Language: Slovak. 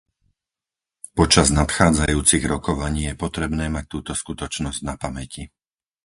Počas nadchádzajúcich rokovaní je potrebné mať túto skutočnosť na pamäti.